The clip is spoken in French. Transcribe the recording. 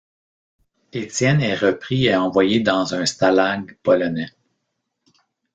Étienne est repris et envoyé dans un stalag polonais.